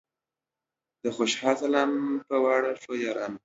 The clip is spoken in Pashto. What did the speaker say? د خوشال سلام پۀ واړه ښو یارانو